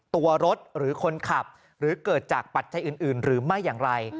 ตัวรถหรือคนขับหรือเกิดจากปัจจัยอื่นหรือไม่อย่างไร